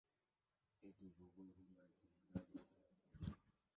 এটি গুগল বোমার একটি মজার উদাহরণ।